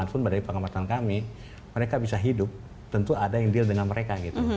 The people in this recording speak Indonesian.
walaupun dari pengamatan kami mereka bisa hidup tentu ada yang deal dengan mereka gitu